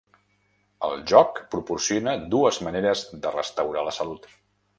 El joc proporciona dues maneres de restaurar la salut.